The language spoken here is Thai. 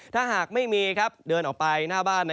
ถ้าหากไม่มีเดินออกไปหน้าบ้าน